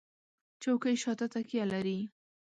چوکۍ شاته تکیه لري.